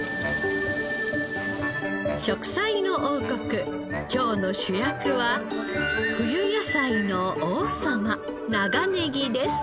『食彩の王国』今日の主役は冬野菜の王様